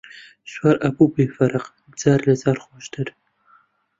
سوار ئەبوو بێ فەرق، جار لە جار خۆشتر